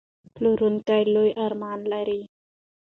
پلورونکی لوی ارمانونه لري.